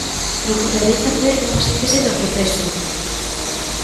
Procurarei facer unha síntese do proceso.